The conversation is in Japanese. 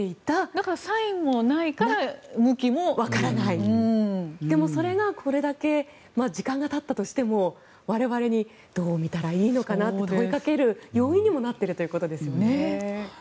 だから、サインもないからでもそれがこれだけ時間がたったとしても我々にどう見たらいいのかなって問いかける要因にもなっているということですよね。